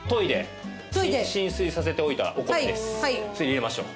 入れましょう。